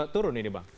turun ini bang